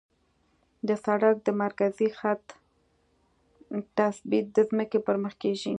د سړک د مرکزي خط تثبیت د ځمکې پر مخ کیږي